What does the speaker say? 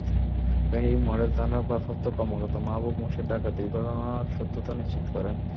Feni model থানার ভারপ্রাপ্ত কর্মকর্তা মাহবুব মোরশেদ ডাকাতির ঘটনার সত্যতা নিশ্চিত করেন।